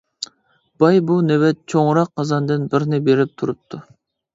باي بۇ نۆۋەت چوڭراق قازاندىن بىرنى بېرىپ تۇرۇپتۇ.